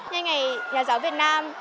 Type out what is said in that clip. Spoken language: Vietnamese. nhân ngày nhà giáo việt nam